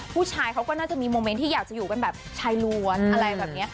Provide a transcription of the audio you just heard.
ผู้ชายเขาก็น่าจะมีโมเมนต์ที่อยากจะอยู่กันแบบชายล้วนอะไรแบบนี้